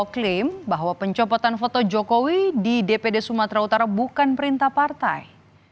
klaim bahwa pencopotan foto jokowi di dpd sumatera utara bukan perintah partai